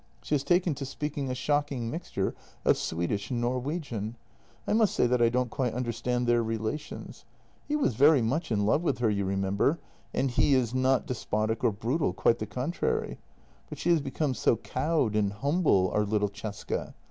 She has taken to speaking a shocking mixture of Swedish and Norwegian. I must say that I don't quite understand their relations. He was very much in love with her, you remember, and he in not despotic or brutal — quite the contrary — but she has become so cowed and humble, our little Cesca.